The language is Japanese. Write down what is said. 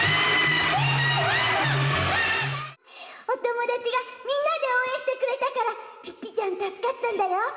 お友達がみんなで応援してくれたからピッピちゃん、助かったんだよ。